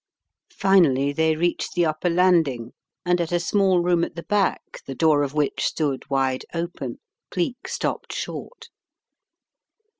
Miss Cheyne Again 197 Finally, they reached the upper landing, and at a small room at the back, the door of which stood wide open, Cleek stopped short.